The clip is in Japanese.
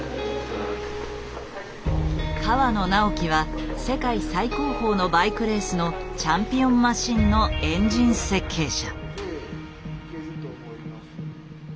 河野直樹は世界最高峰のバイクレースのチャンピオンマシンのエンジン設計者。